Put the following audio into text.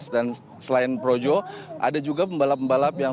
dan selain projo ada juga pembalap pembalap yang